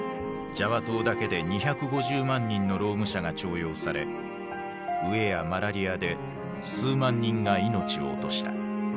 ジャワ島だけで２５０万人の労務者が徴用され飢えやマラリアで数万人が命を落とした。